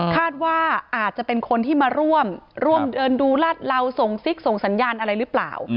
คาดว่าอาจจะเป็นคนที่มาร่วมร่วมเดินดูลาดเหลาส่งซิกส่งสัญญาณอะไรหรือเปล่า